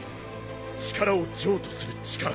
力を譲渡する力